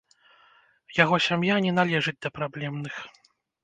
Яго сям'я не належыць да праблемных.